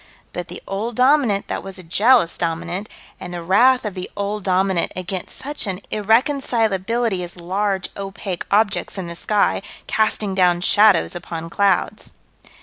But the Old Dominant that was a jealous Dominant, and the wrath of the Old Dominant against such an irreconcilability as large, opaque objects in the sky, casting down shadows upon clouds.